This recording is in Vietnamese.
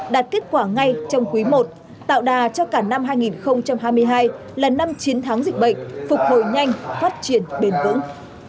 đạt kết quả ngay trong quý i tạo đà cho cả năm hai nghìn hai mươi hai là năm chiến thắng dịch bệnh phục hồi nhanh phát triển bền vững